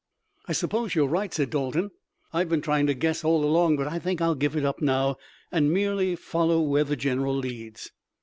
"I suppose you're right," said Dalton. "I've been trying to guess all along, but I think I'll give it up now and merely follow where the general leads."